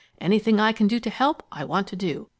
Anything I can do to help, I want to do.